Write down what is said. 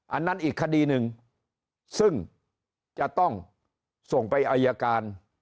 อันนั้นอีกคดีหนึ่งซึ่งจะต้องส่งไปอายการ